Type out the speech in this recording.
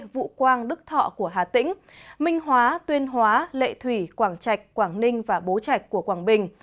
vụ quang đức thọ của hà tĩnh minh hóa tuyên hóa lệ thủy quảng trạch quảng ninh và bố trạch của quảng bình